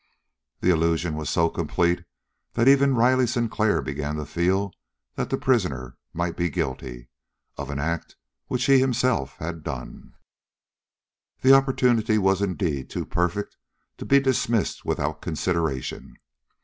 The illusion was so complete that even Riley Sinclair began to feel that the prisoner might be guilty of an act which he himself had done! The opportunity was indeed too perfect to be dismissed without consideration.